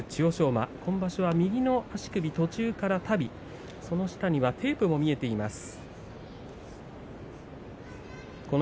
馬、今場所は右の足首途中から足袋その下にはテープも見えています。